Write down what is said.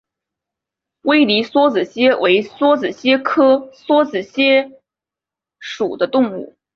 威迪梭子蟹为梭子蟹科梭子蟹属的动物。